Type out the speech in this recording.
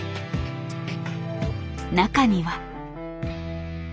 中には。